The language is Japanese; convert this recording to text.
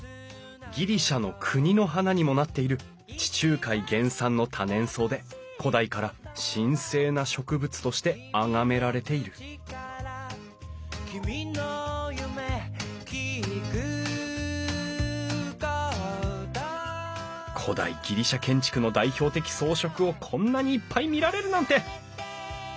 ギリシャの国の花にもなっている地中海原産の多年草で古代から神聖な植物としてあがめられている古代ギリシャ建築の代表的装飾をこんなにいっぱい見られるなんて！